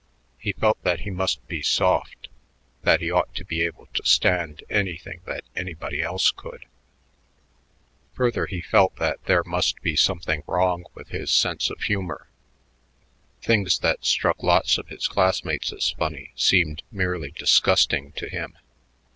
He felt that he must be soft, that he ought to be able to stand anything that anybody else could. Further, he felt that there must be something wrong with his sense of humor; things that struck lots of his classmates as funny seemed merely disgusting to him.